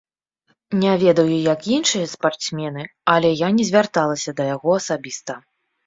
Не ведаю, як іншыя спартсмены, але я не звярталася да яго асабіста.